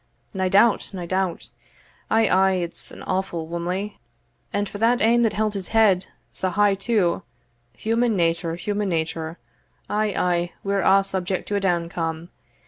"Nae doubt, nae doubt ay, ay it's an awfu' whummle and for ane that held his head sae high too human nature, human nature Ay ay, we're a' subject to a downcome.